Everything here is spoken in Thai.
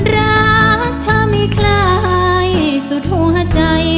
รักเธอไม่คล้ายสุดหัวใจ